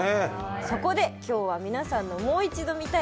そこで、今日は皆さんの「もう一度見たい！